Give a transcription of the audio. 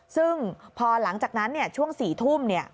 ซึ่งพอหลังจากนั้นช่วง๔ทุ่ม